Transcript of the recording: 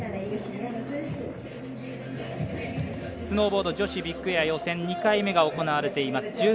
スノーボード女子ビッグエア予選２回目が行われています。